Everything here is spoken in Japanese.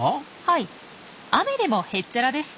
はい雨でもへっちゃらです。